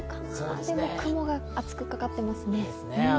でも雲が厚くかかってますね。